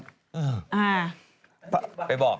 อ่าไปบอก